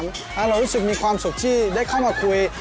แล้วเรารู้สึกมีความสุขที่ได้เข้ามาคุย